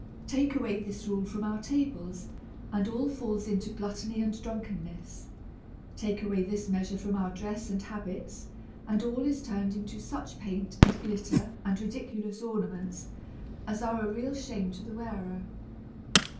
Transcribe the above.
Take av/ay this rule from our tables, and all falls into gluttony and drunkenness. Take away this measure from our dress and habits, and all is turned into such paint and glitter, and ridi 42 A SERIOUS CALL TO A culous ornaments^ as are a real shame to the wearer.